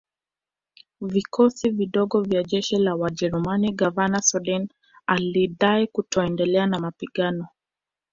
vikosi vidogo vya jeshi la wajerumani Gavana Soden alidai kutoendelea na mapigano